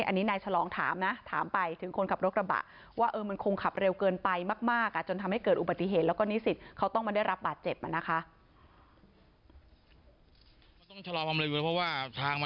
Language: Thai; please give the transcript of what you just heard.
อันนี้นายฉลองถามนะถามไปถึงคนขับรถกระบะว่ามันคงขับเร็วเกินไปมากจนทำให้เกิดอุบัติเหตุแล้วก็นิสิตเขาต้องมาได้รับบาดเจ็บนะคะ